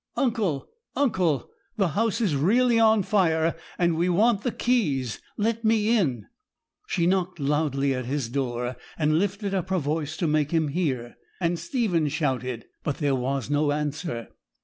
Uncle! uncle! the house is really on fire, and we want the keys. Let me in.' She knocked loudly at his door, and lifted up her voice to make him hear, and Stephen shouted; but there was no answer.